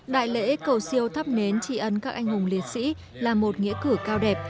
đại lễ cầu siêu thắp nến trị ấn các anh hùng liệt sĩ là một nghĩa cử cao đẹp